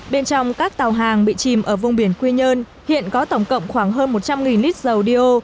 bên trong các tàu hàng bị chìm ở vùng biển quy nhơn hiện có tổng cộng khoảng hơn một trăm linh lít dầu dio